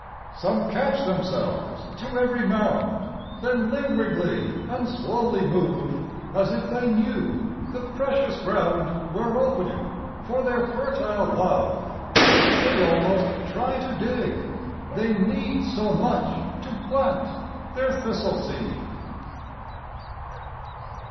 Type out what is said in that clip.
Some catch themselves to every mound, Then lingeringly and slowly move As if they knew the precious ground Were opening for their fertile love: They almost try to dig, they need So much to plant their thistle seed.